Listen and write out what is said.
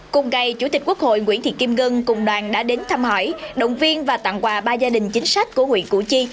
cùng ngày chủ tịch quốc hội nguyễn thị kim ngân cùng đoàn đã đến thăm hỏi động viên và tặng quà ba gia đình chính sách của huyện củ chi